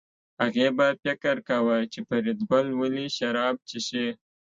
هغې به فکر کاوه چې فریدګل ولې شراب څښي